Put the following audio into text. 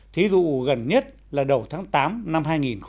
thí dụ gần nhất là đầu tháng tám năm hai nghìn một mươi chín